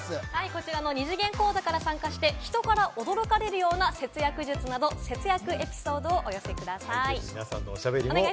こちらの二次元コードから参加して、人から驚かれるような節約術など、節約エピソードをお寄せください。